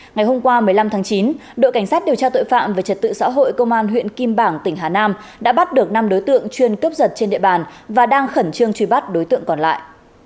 ngày hôm qua một mươi năm tháng chín đội cảnh sát điều tra tội phạm về trật tự xã hội công an huyện kim bảng tỉnh hà nam đã bắt được năm đối tượng chuyên cướp giật trên địa bàn và đang khẩn trương truy bắt đối tượng còn lại